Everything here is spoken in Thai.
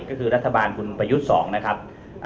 ก็คือรัฐบาลคุณประยุทธ์๒นะครับ